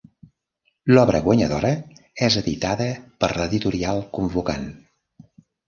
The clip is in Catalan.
L'obra guanyadora és editada per l'editorial convocant.